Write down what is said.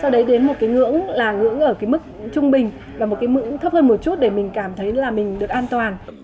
đấy đến một cái ngưỡng là ngưỡng ở cái mức trung bình và một cái mức thấp hơn một chút để mình cảm thấy là mình được an toàn